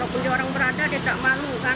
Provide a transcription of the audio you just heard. walaupun dia orang berada dia tidak malu kan